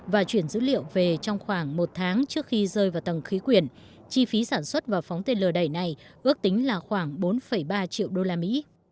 với số liệu về trong khoảng một tháng trước khi rơi vào tầng khí quyển chi phí sản xuất và phóng tên lửa đầy này ước tính là khoảng bốn ba triệu usd